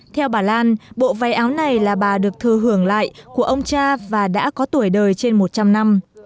theo bà lan bộ váy áo này là bà được thừa hưởng lại của ông cha và đã có tuổi đời trên một trăm linh năm